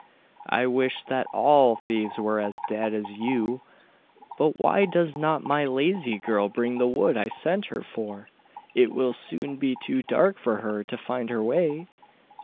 I wish that all thieves were as dead as you! But why does not my lazy girl bring the wood I sent her for, it will soon be too dark for her to find her way?